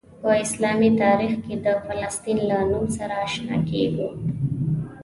په اسلامي تاریخ کې د فلسطین له نوم سره آشنا کیږو.